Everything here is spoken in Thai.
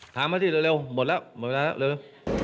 ถามมาสิเร็วหมดแล้วหมดแล้วเร็ว